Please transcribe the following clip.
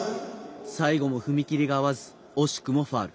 最後も踏切があわず惜しくもファウル。